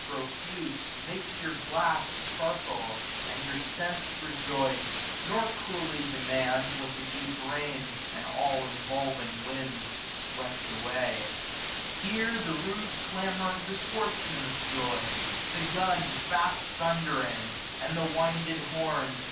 135 Which covers yours with luxury profuse ; Makes your glass sparkle, and your sense rejoice ; Nor cruelly demand what the deep rains. And all involving winds have swept away. Here the rude clamour of the sportsman's joy, 360 The gun fast thundering, and the winded horn.